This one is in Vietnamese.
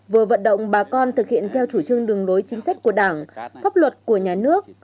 vừa vận động bà con thực hiện theo chủ trương đường lối chính sách của đảng pháp luật của nhà nước